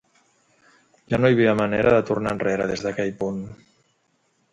Ja no hi havia manera de tornar enrere des d'aquell punt.